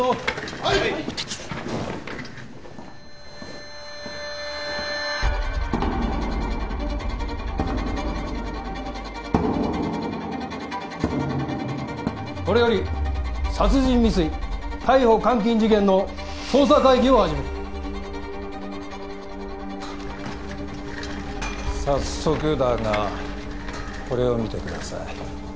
はいっこれより殺人未遂逮捕監禁事件の捜査会議を始める早速だがこれを見てください